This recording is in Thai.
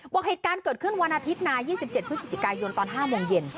บอกเหตุการณ์เกิดขึ้นวันอาทิตย์นะ๒๗พฤศจิกายนตอน๕โมงเย็น